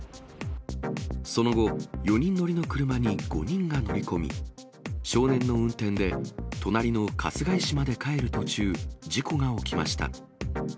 その後、４人乗りの車に５人が乗り込み、少年の運転で隣の春日井市まで帰る途中、事故が起きました。